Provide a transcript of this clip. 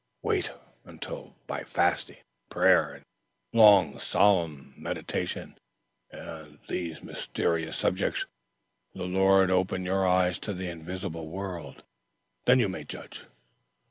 Wait until, by fasting and prayer and long, solemn meditation on these mysterious subjects, the Lord has opened your eyes to the invisible world, then you may judge.